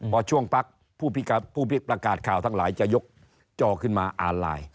พอช่วงพักผู้ประกาศข่าวทั้งหลายจะยกจอขึ้นมาอ่านไลน์